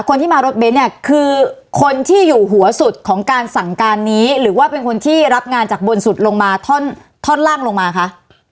คนที่มารถเบนท์เนี่ยคือคนที่อยู่หัวสุดของการสั่งการนี้หรือว่าเป็นคนที่รับงานจากบนสุดลงมาท่อนล่างลงมาคะ